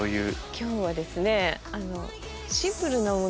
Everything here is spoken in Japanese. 今日はですね。